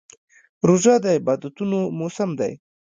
روژه د عبادتونو موسم دی.